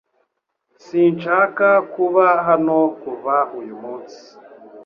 Sinshaka kuba hano kuva uyu munsi